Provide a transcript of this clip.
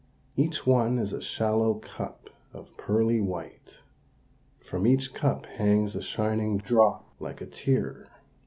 Each one is a shallow cup and pearly white. From each cup hangs a shining drop, like a tear.